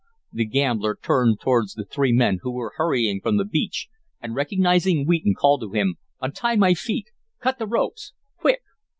The gambler turned towards the three men who were hurrying from the beach, and, recognizing Wheaton, called to him: "Untie my feet! Cut the ropes! Quick!"